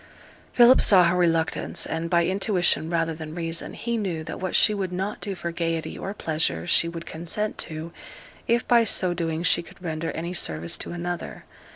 Philip saw her reluctance, and, by intuition rather than reason, he knew that what she would not do for gaiety or pleasure she would consent to, if by so doing she could render any service to another.